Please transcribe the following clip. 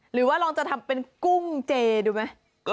หรือว่าลองจะทำเป็นกุ้งเจดูไหม